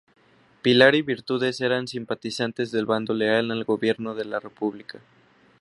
Pilar y Virtudes eran simpatizantes del bando leal al gobierno de la República.